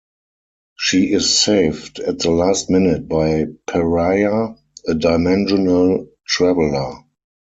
She is saved at the last minute by Pariah, a dimensional traveler.